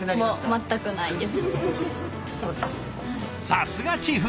さすがチーフ！